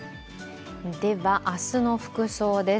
では、明日の服装です。